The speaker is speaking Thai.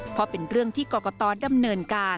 เพราะเป็นเรื่องที่กรกตดำเนินการ